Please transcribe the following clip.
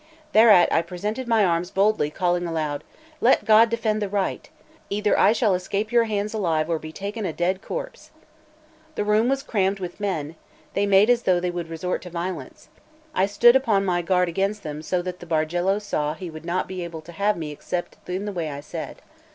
Thereat I presented my arms boldly, calling aloud: "Let God defend the right! Either I shall escape your hands alive, or be taken a dead corpse!" The room was crammed with men; they made as though they would resort to violence; I stood upon my guard against them; so that the Bargello saw he would not be able to have me except in the way I said.